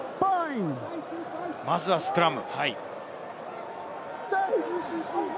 まずはスクラム。